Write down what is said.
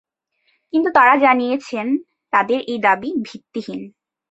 কিন্তু তাঁরা জানিয়েছেন তাঁদের এই দাবি ভিত্তিহীন।